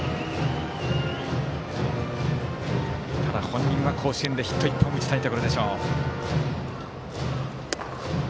本人は甲子園でヒット１本打ちたいところでしょう。